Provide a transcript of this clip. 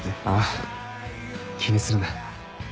あぁ気にするな。